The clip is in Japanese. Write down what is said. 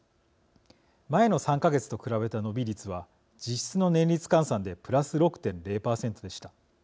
前の３か月と比べた伸び率は実質の年率換算でプラス６．０％でした。